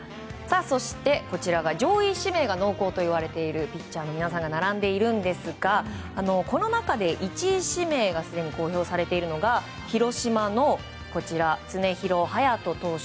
そして、こちらが上位指名が濃厚といわれているピッチャーの皆さんが並んでいますがこの中で、１位指名がすでに公表されているのが広島の常廣羽也斗投手。